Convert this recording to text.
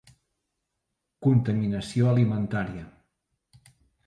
Contaminació alimentària.